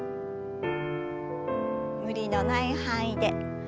無理のない範囲で。